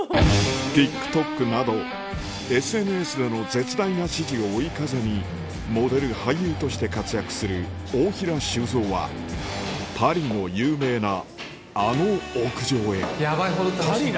ＴｉｋＴｏｋなどＳＮＳでの絶大な支持を追い風にモデル俳優として活躍するパリの有名なあの屋上へヤバいほど楽しみ。